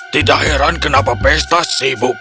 tidak heran kenapa pesta sibuk